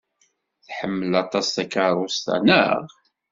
Tḥemmel aṭas takeṛṛust-a, naɣ?